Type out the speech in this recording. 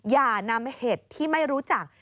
อย่านำเห็ดที่ไม่รู้จัก